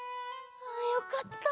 よかった！